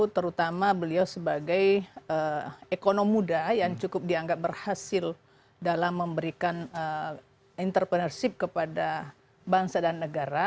terutama beliau sebagai ekonom muda yang cukup dianggap berhasil dalam memberikan entrepreneurship kepada bangsa dan negara